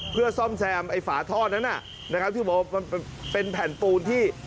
เพื่อซ่อมแซมไอ้ฝาท่อนั้นนะครับที่บอกว่ามันเป็นแผ่นปูนที่